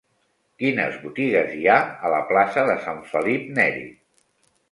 Quines botigues hi ha a la plaça de Sant Felip Neri?